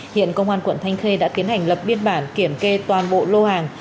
hiện công an quận thanh khê đã tiến hành lập biên bản kiểm kê toàn bộ lô hàng